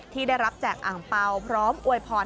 ที่ได้รับแจกอ่างเปล่าพร้อมอวยพร